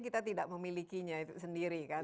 kita tidak memilikinya sendiri